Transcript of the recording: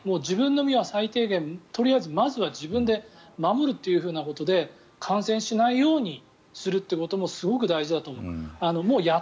自分の身は最低限、とりあえずは自分で守るということで感染しないようにするということもすごく大事だと思う。